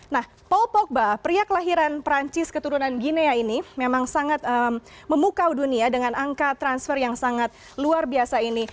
nah paul pogba pria kelahiran perancis keturunan ginea ini memang sangat memukau dunia dengan angka transfer yang sangat luar biasa ini